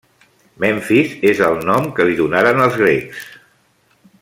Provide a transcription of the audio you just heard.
Memfis és el nom que li donaren els grecs.